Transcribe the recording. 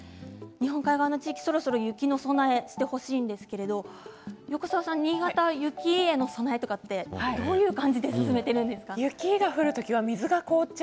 日本海側の地域そろそろ雪への備えをしてほしいんですが横澤さん、新潟雪への備えとかどういう感じで進めているんですか？